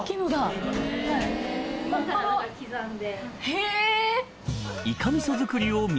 へぇ！